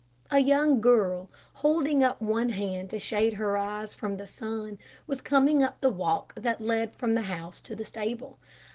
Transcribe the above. A young girl, holding up one hand to shade her eyes from the sun, was coming up the walk that led from the house to the stable.